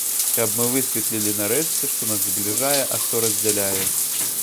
Каб мы высветлілі нарэшце, што нас збліжае, а што раздзяляе.